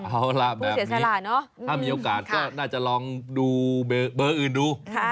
เอาล่ะแบบเสียสละถ้ามีโอกาสก็น่าจะลองดูเบอร์อื่นดู